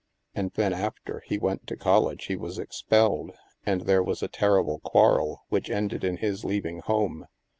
And then after he went to college, he was expelled, and there was a terrible quarrel which ended in his leaving home.